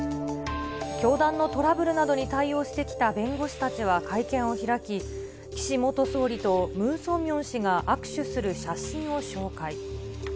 教団のトラブルなどに対応してきた弁護士たちは会見を開き、岸元総理とムン・ソンミョン氏が握手する写真を紹介。